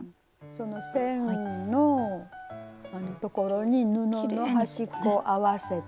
その線のところに布の端っこを合わせて。